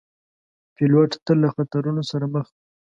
پیلوټ تل له خطرونو سره مخ وي.